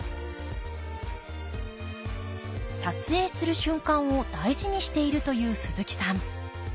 撮影する瞬間を大事にしているという鈴木さん。